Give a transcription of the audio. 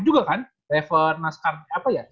juga kan driver naskah apa ya